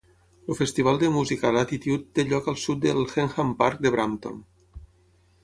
El festival de música Latitude té lloc al sud del Henham Park de Brampton.